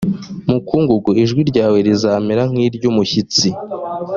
mukungugu ijwi ryawe rizamera nk iry umushitsi